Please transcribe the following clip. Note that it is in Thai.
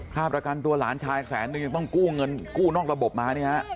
ประกันตัวหลานชายแสนนึงยังต้องกู้เงินกู้นอกระบบมาเนี่ยฮะ